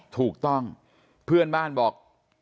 ถูกต้องเพื่อนบ้านบอก